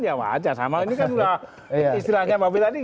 ya wajar ini kan istilahnya mbak be tadi